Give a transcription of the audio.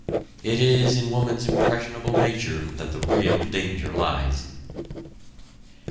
It is in woman's impressionable nature that the real danger lies.